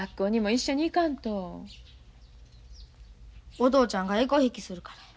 お父ちゃんがえこひいきするからや。